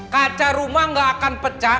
kaca rumah gak akan pecah